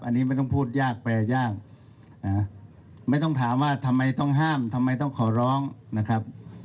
อันนี้ไม่ต้องพูดยากแปลยากไม่ต้องถามว่าทำไมต้องห้ามทำไมต้องขอร้องนะครับ